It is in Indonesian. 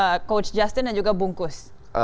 ada coach justin dan juga bungkus